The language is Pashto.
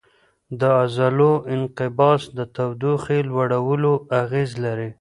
د عضلو انقباض د تودوخې لوړولو اغېز لري.